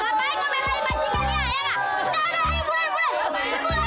gapain ngebelain majikannya ya gak